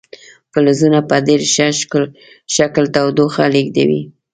فلزونه په ډیر ښه شکل تودوخه لیږدوي.